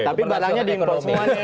tapi barangnya dienggromi